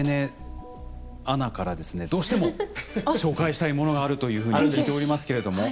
どうしても紹介したいものがあるというふうに聞いておりますけれども。